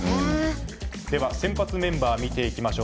では先発メンバーを見ていきましょう。